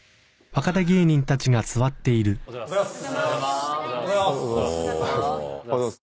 おはようございます。